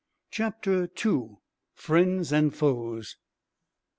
Chapter 2: Friends and Foes.